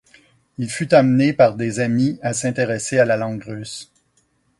Il fut amené par des amis à s'intéresser à la langue russe.